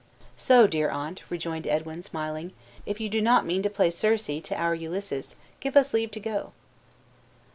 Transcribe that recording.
"So, dear aunt," rejoined Edwin, smiling, "if you do not mean to play Circe to our Ulysses, give us leave to go!"